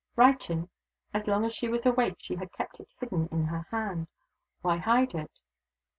Writing? As long as she was awake she had kept it hidden in her hand. Why hide it?